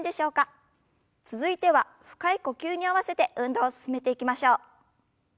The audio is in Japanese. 続いては深い呼吸に合わせて運動を進めていきましょう。